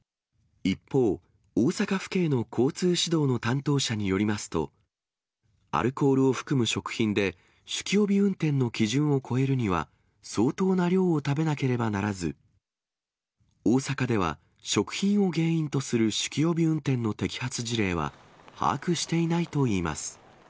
一方、大阪府警の交通指導の担当者によりますと、アルコールを含む食品で酒気帯び運転の基準を超えるには、相当な量を食べなければならず、大阪では食品を原因とする酒気帯び運転の摘発事例は把握していないといいます。